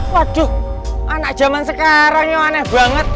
waduh anak zaman sekarangnya aneh banget